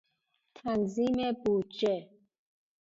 تنظیم بودجه